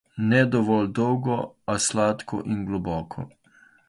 Ne dovolj dolgo, a sladko in globoko.